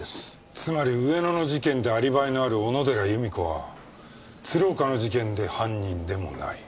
つまり上野の事件でアリバイのある小野寺由美子は鶴岡の事件で犯人でもない。